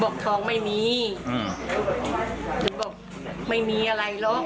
บอกทองไม่มีอืมหรือบอกไม่มีอะไรหรอก